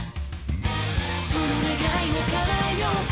「その願いを叶えようか」